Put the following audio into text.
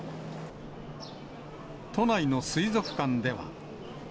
都内の水族館では。